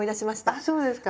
あそうですか。